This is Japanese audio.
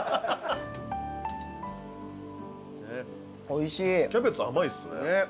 おいしい。